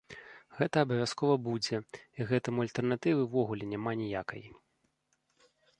Гэта абавязкова будзе і гэтаму альтэрнатывы ўвогуле няма ніякай.